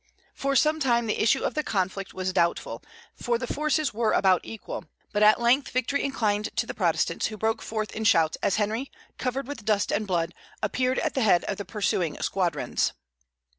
For some time the issue of the conflict was doubtful, for the forces were about equal; but at length victory inclined to the Protestants, who broke forth in shouts as Henry, covered with dust and blood, appeared at the head of the pursuing squadrons.